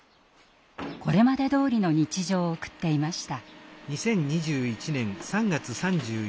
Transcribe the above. これまでどおりの日常を送っていました。